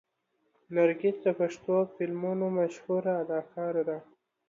نرګس د پښتو فلمونو مشهوره اداکاره ده.